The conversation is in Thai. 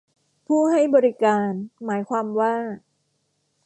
ผู้ให้บริการ หมายความว่า